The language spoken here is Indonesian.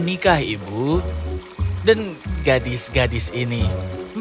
sekarang dengarkan ibu punya kejutan lain untukmu